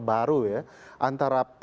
baru ya antara